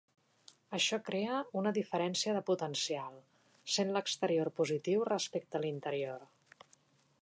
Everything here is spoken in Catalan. Això crea una diferència de potencial, sent l'exterior positiu respecte l'interior.